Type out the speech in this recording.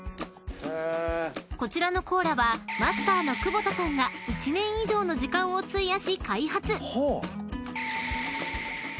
［こちらのコーラはマスターの久保田さんが１年以上の時間を費やし開発］